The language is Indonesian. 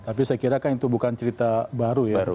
tapi saya kira kan itu bukan cerita baru ya